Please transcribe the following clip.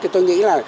thì tôi nghĩ là